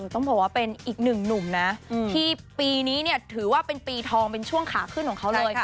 ต้องบอกว่าเป็นอีกหนึ่งหนุ่มนะที่ปีนี้เนี่ยถือว่าเป็นปีทองเป็นช่วงขาขึ้นของเขาเลย